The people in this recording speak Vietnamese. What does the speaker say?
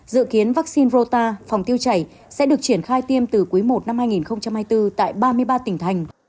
dự kiến vắc xin rota sẽ được triển khai tiêm từ cuối một năm hai nghìn hai mươi bốn tại ba mươi ba tỉnh thành